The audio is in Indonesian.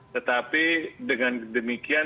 tetapi dengan demikian